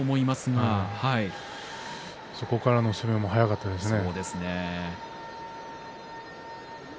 そこからの攻めも速かったですね。